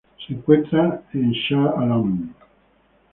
Se encuentra en Shah Alam.